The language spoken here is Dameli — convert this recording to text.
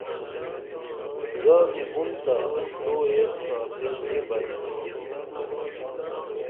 زادی بُن تہ تو ایس ساتین نی بئیم